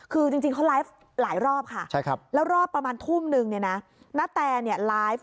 คือจริงเขาไลฟ์หลายรอบค่ะแล้วรอบประมาณทุ่มนึงเนี่ยนะณแตเนี่ยไลฟ์